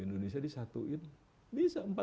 indonesia disatuin bisa